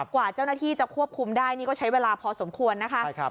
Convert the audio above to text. กว่าเจ้าหน้าที่จะควบคุมได้นี่ก็ใช้เวลาพอสมควรนะคะ